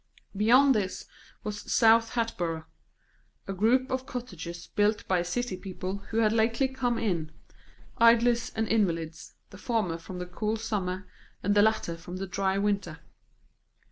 Beyond this was South Hatboro', a group of cottages built by city people who had lately come in idlers and invalids, the former for the cool summer, and the latter for the dry winter.